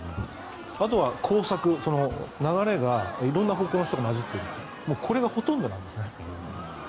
あとは交錯流れが色んな方向の人が交ざっているかこれがほとんどなんですね。